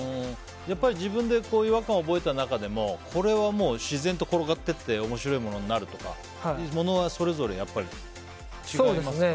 やっぱり自分で違和感を覚えた中でもこれは自然と転がっていって面白いものになるとかものはそれぞれ違います？